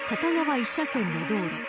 １車線の道路。